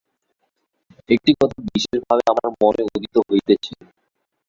একটি কথা বিশেষভাবে আমার মনে উদিত হইতেছে।